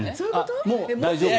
もう大丈夫です。